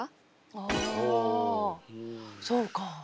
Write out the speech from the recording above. ああそうか。